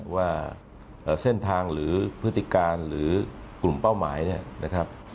ว่าเส้นทางหรือพฤติการหรือกลุ่มเป้าหมายเนี่ยนะครับ